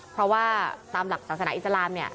เพราะว่าตามหลักศาสนาอิสลาม